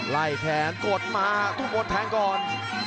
ไล่แขนกดมาทุกคนแทงก่อน